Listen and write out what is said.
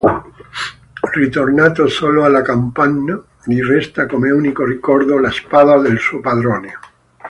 Ritornato solo alla capanna, gli resta come unico ricordo la spada del suo padrone.